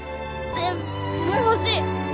全部欲しい。